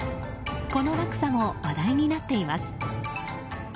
この落差も話題になっています。